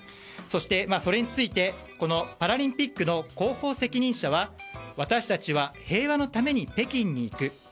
そして、それについてパラリンピックの広報責任者は私たちは平和のために北京に行く。